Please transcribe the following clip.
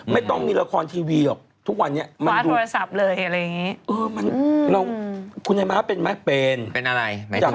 ไม่ต้องมีละครทุกวันนี้คุณอาทิตย์ลำไว้